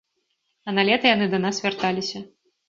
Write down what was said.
А на лета яны да нас вярталіся.